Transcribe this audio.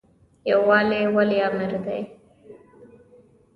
یووالی ولې امر دی؟